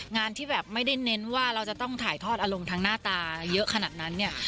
งานที่แบบไม่ได้เน้นว่าเราจะต้องถ่ายทอดอารมณ์ทางหน้าตาเยอะขนาดนั้นเนี่ย